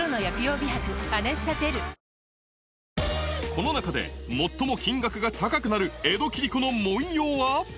この中で最も金額が高くなる江戸切子の文様は？